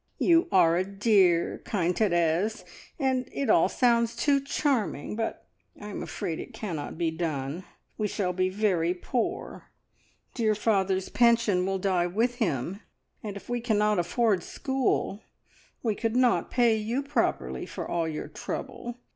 "You are a dear, kind Therese, and it all sounds too charming, but I am afraid it cannot be done. We shall be very poor, dear father's pension will die with him, and if we cannot afford school, we could not pay you properly for all your trouble.